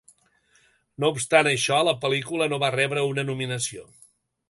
No obstant això, la pel·lícula no va rebre una nominació.